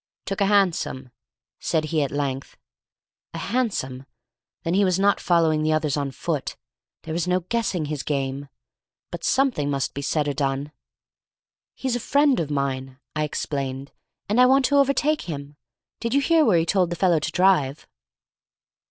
"Took a hansom," said he at length. A hansom! Then he was not following the others on foot; there was no guessing his game. But something must be said or done. "He's a friend of mine," I explained, "and I want to overtake him. Did you hear where he told the fellow to drive?"